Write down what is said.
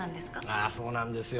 ああそうなんですよ。